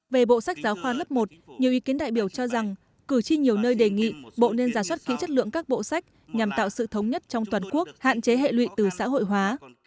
về bộ sách giáo khoa lớp một nhiều ý kiến đại biểu cho rằng cử tri nhiều nơi đề nghị bộ nên giả soát kỹ chất lượng các bộ sách nhằm tạo sự thống nhất trong toàn quốc hạn chế hệ lụy từ xã hội hóa